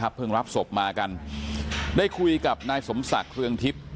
เพิ่งรับศพมากันได้คุยกับนายสมศักดิ์เรืองทิพย์